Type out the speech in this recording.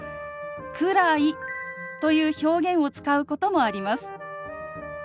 「くらい」という表現を使うこともあります。